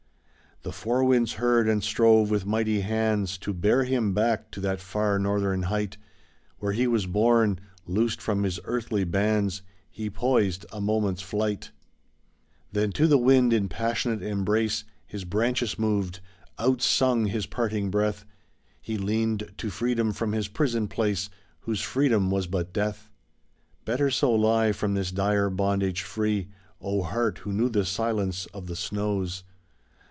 The four winds heard and strove with mighty hands To bear him back to that far northern height Where he was bom; loosed from his earthly bands, He poised, a moment's flight. [T6] THE SAD YEARS THE TREE UPROOTED (Continued) Then to the wind in passionate embrace His branches moved — out sung his parting breath. He leaned to freedom from his prison place, Whose freedom was but death. Better so lie, from this dire bondage free, O heart who knew the silence of the snows